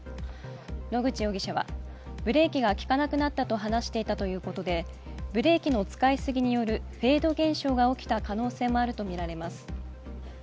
野口容疑者はブレーキが利かなくなったと話していたということでブレーキの使いすぎによるフェード現象が起きた可能性もあるとみられます。